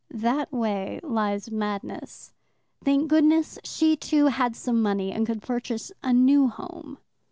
That way lies madness. Thank goodness she, too, had some money, and could purchase a new home.